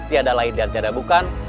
tiada lain tiar tiada bukan